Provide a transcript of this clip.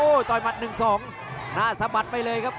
โอ้ต่อมัดหนึ่งสองน่าสะบัดไปเลยครับ